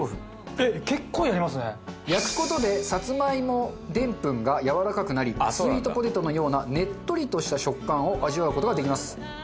焼く事でさつまいもでんぷんがやわらかくなりスイートポテトのようなねっとりとした食感を味わう事ができます。